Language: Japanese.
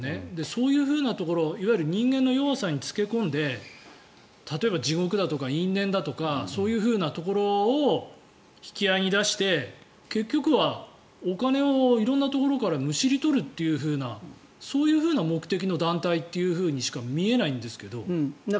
そういうところいわゆる人間の弱さに付け込んで例えば、地獄だとか因縁だとかそういうふうなところを引き合いに出して結局はお金を色んなところからむしり取るというようなそういうふうな目的の団体としか見えないんですけど。